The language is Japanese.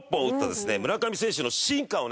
村上選手の進化をね